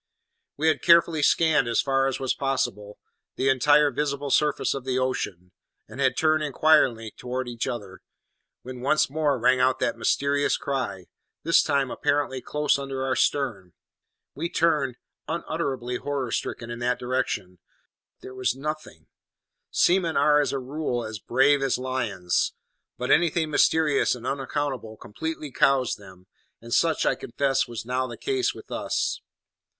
We had carefully scanned, as far as was possible, the entire visible surface of the ocean, and had turned inquiringly towards each other, when once more rang out that mysterious cry, this time apparently close under our stern. We turned, unutterably horror stricken, in that direction, but there was nothing. Seamen are, as a rule, as brave as lions; but anything mysterious and unaccountable completely cows them, and such, I confess, was now the case with us.